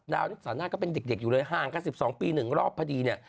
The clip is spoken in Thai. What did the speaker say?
นาวทิสานาทก็เป็นเด็กอยู่เลยห้าง๙๒ปีหนึ่งรอบพอดี